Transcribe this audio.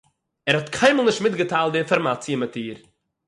ער האָט קיינמאָל נישט מיטגעטיילט די אינפאָרמאַציע מיט איר